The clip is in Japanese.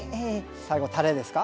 最後たれですか？